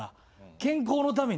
健康のために。